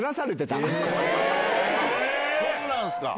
そうなんすか。